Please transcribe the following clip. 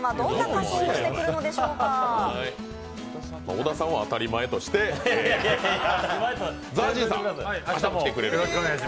小田さんは当たり前としてＺＡＺＹさん、明日も来てくれる。